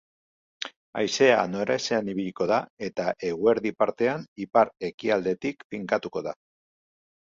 Haizea nora ezean ibiliko da eta eguerdi partean ipar-ekialdetik finkatuko da.